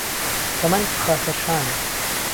کهمهند پخە سەر شانێ